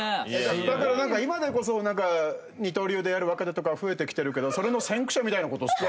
だからなんか今でこそ二刀流でやる若手とか増えてきてるけどそれの先駆者みたいな事ですか？